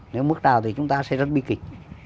nếu mức nào thì chúng ta sẽ rất bi kịch